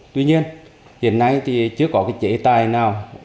tuy nhiên hiện nay thì chưa có cái chế tài nào